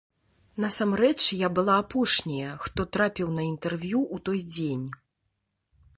Насамрэч, я была апошняя, хто трапіў на інтэрв'ю ў той дзень.